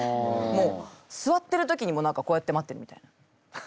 もう座ってる時にも何かこうやって待ってるみたいな。